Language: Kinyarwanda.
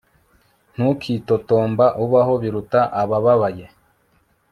Ntukitotomba ubaho Biruta abababaye